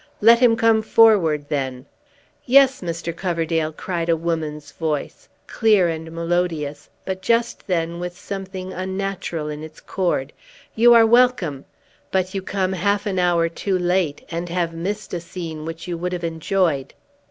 "Let him come forward, then!" "Yes, Mr. Coverdale," cried a woman's voice, clear and melodious, but, just then, with something unnatural in its chord, "you are welcome! But you come half an hour too late, and have missed a scene which you would have enjoyed!"